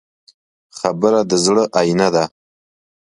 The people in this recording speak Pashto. خبره د زړه آیینه ده.